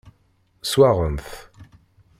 Swaɣen-t.